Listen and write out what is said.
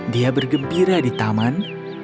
dia bergembira di taman